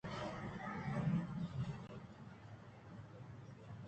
تئی ہرگپّءِ منّگ پہ من الّم اِنت بلئے انوں منی دل ءَ آ گپ پشت نہ کپتگ اَنت